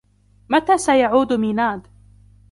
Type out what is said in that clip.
متى سيعود ميناد ؟